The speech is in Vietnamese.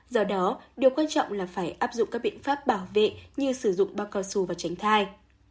do đó điều quan trọng là phải áp dụng các biện pháp bảo vệ như sử dụng bao cao su và tránh thai